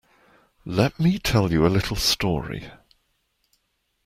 Let me tell you a little story.